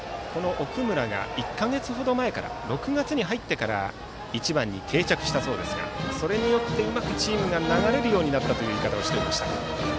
奥村が１か月ほど前から６月に入ってから１番に定着したそうですがそれによって、うまくチームが流れるようになったという言い方をしていました。